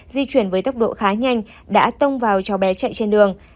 di chuyển với tốc độ khá nhanh đã tông vào cháu bé chạy trên đường